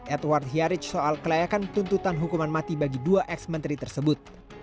edward hiaric soal kelayakan tuntutan hukuman mati bagi dua ex menteri tersebut